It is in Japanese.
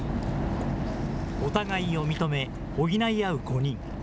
お互いを認め、補い合う５人。